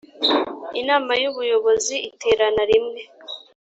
Inama y ubuyobozi iterana rimwe